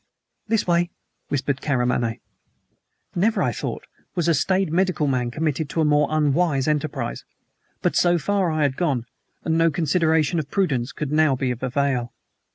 "This way," whispered Karamaneh. Never, I thought, was a staid medical man committed to a more unwise enterprise, but so far I had gone, and no consideration of prudence could now be of avail.